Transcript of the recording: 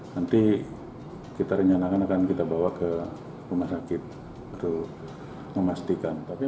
nanti kita rencanakan akan kita bawa ke rumah sakit untuk memastikan